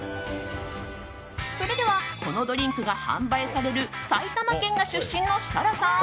それではこのドリンクが販売される埼玉県が出身の設楽さん